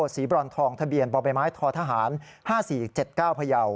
บรอนทองทะเบียนบ่อใบไม้ททหาร๕๔๗๙พยาว